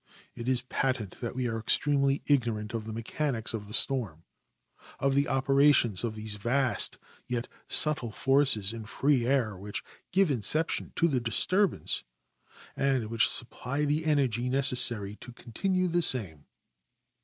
It is patent that we are extremely ignorant of the mechanics of the storm, of the opera tions of those vast yet subtle forces in free air which give incep tion to the disturbance and which supply the energy necessar}' to continue the same.